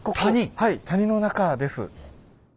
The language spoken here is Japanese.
はい谷の中です。